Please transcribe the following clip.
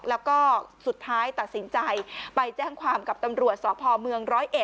แล้วก็สุดท้ายตัดสินใจไปแจ้งความกับตำรวจสพเมือง๑๐๑